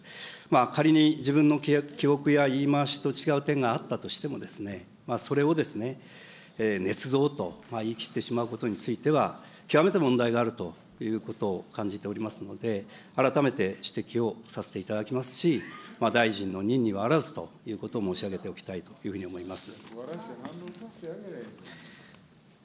仮に自分の記憶や言い回しと違う点があったとしても、それをですね、ねつ造と言いきってしまうことについては、極めて問題があるということを感じておりますので、改めて指摘をさせていただきますし、大臣の任にあらずということを申し上げておきたいというふうに思います。